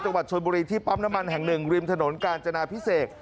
จังหวัดชนบุรีที่ปั๊มน้ำมันแห่งหนึ่งริมถนนกาญจนาพิเศษ